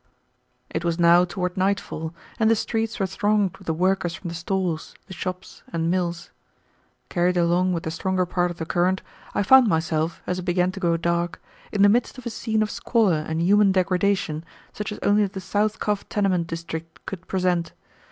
It was now toward nightfall, and the streets were thronged with the workers from the stores, the shops, and mills. Carried along with the stronger part of the current, I found myself, as it began to grow dark, in the midst of a scene of squalor and human degradation such as only the South Cove tenement district could present.